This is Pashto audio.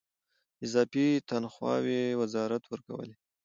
اضافي تنخواوې وزارت ورکولې.